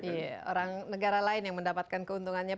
iya orang negara lain yang mendapatkan keuntungannya